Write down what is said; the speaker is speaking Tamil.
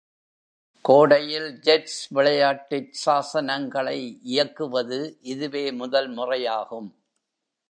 கோடையில் ஜெட்ஸ் விளையாட்டுச் சாசனங்களை இயக்குவது இதுவே முதல் முறையாகும்.